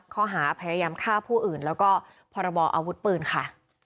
ข้อหาพยายามฆ่าผู้อื่นแล้วก็พรบออาวุธปืนค่ะ